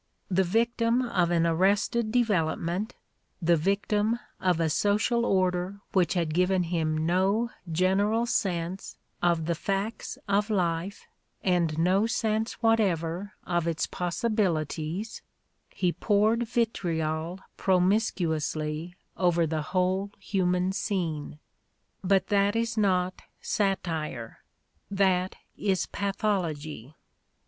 The victim of an arrested develop ment, the victim of a social order which had given him no general sense of the facts of life and no sense what ever of its possibilities, he poured vitriol promiscuously over the whole human scene. But that is not satire: that is pathology.